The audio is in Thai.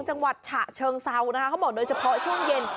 จังหวัดฉะเชิงเซานะคะเขาบอกโดยเฉพาะช่วงเย็น